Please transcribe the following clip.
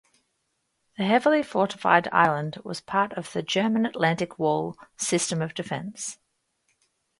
The heavily fortified island was part of the German Atlantic Wall system of defense.